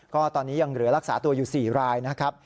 ก็ตอนนี้ยังเหลือรักษาตัวอยู่๔รายนะครับ